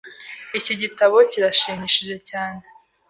Iki gitabo kirashimishije cyane. .